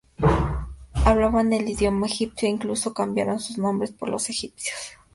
Hablaban el idioma egipcio e incluso cambiaron sus nombres por los egipcios.